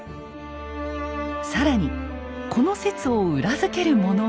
更にこの説を裏付けるものが。